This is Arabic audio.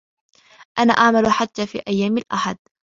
انا اعمل حتى في أيام الأحد.